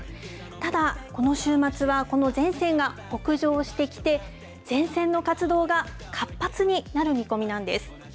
ただ、この週末はこの前線が北上してきて、前線の活動が活発になる見込みなんです。